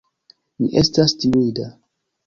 Mi estas timida.